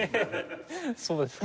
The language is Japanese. そうですか？